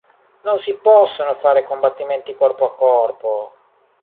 Non si possono fare combattimenti corpo a corpo.